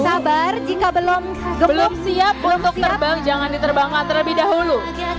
sabar jika belum siap untuk terbang jangan diterbangkan terlebih dahulu